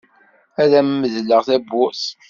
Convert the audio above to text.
Ad am-medleɣ tawwurt.